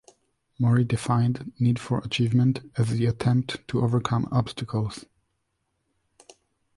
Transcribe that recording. Murray defined need for achievement as the attempt to overcome obstacles.